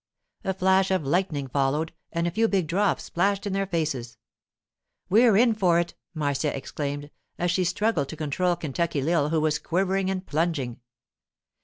A flash of lightning followed, and a few big drops splashed in their faces. 'We're in for it!' Marcia exclaimed, as she struggled to control Kentucky Lil, who was quivering and plunging.